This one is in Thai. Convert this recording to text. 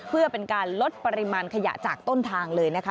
เพื่อเป็นการลดปริมาณขยะจากต้นทางเลยนะคะ